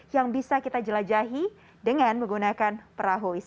yang bisa kita jelajahi dengan menggunakan perahu